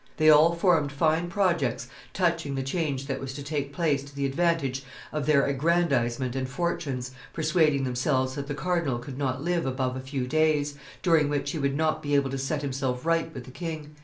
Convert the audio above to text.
They all formed fine projects touching the change that was to take place to the advantage of their aggrandizement and fortunes, persuading themselves that the cardinal could not live above a few days, during which he would not be able to set himself right with the king."